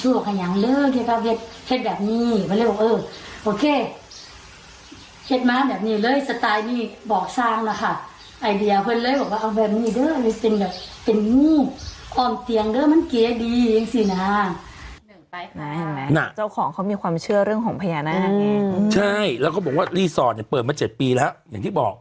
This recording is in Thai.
เห็นมาแบบนี้เลยไอเดียเค้าแบบนี้เลย